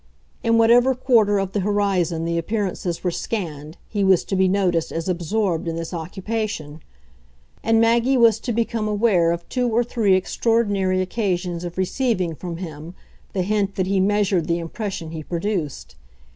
In whatever quarter of the horizon the appearances were scanned he was to be noticed as absorbed in this occupation; and Maggie was to become aware of two or three extraordinary occasions of receiving from him the hint that he measured the impression he produced.